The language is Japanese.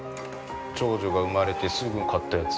長女が産まれてすぐ買ったやつ。